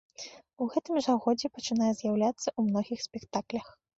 У гэтым жа годзе пачынае з'яўляцца ў многіх спектаклях.